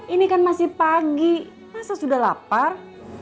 ini kan masih pagi masa sudah lapar